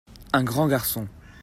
Un grand garçon.